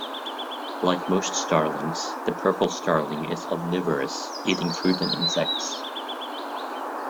Like most starlings, the purple starling is omnivorous, eating fruit and insects.